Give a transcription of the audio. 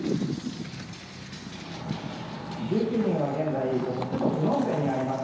１９人は現在ここ、首都プノンペンにあります